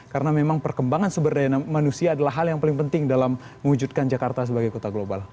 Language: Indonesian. karena memang perkembangan seberdaya manusia adalah hal yang paling penting dalam mewujudkan jakarta sebagai kota global